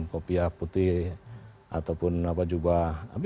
kopiah putih ataupun jubah